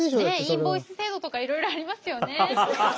インボイス制度とかいろいろありますよね。